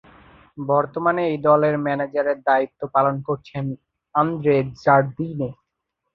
বর্তমানে এই দলের ম্যানেজারের দায়িত্ব পালন করছেন আন্দ্রে জার্দিনে।